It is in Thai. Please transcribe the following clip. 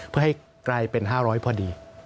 เพื่อให้กลายเป็น๕๐๐พอดี